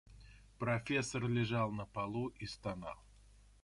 Профессор лежал на полу и стонал.